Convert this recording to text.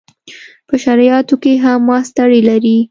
په شرعیاتو کې هم ماسټري لري.